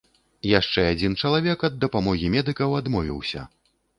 Яшчэ адзін чалавек ад дапамогі медыкаў адмовіўся.